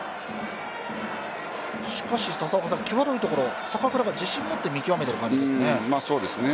際どいところ、坂倉が自信を持って見極めている感じですね。